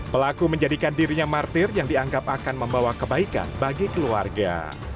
pelaku menjadikan dirinya martir yang dianggap akan membawa kebaikan bagi keluarga